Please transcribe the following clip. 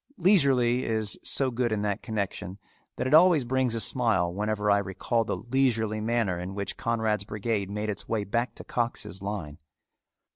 "Leisurely" is so good in that connection that it always brings a smile whenever I recall the "leisurely" manner in which Conrad's brigade made its way back to Cox's line.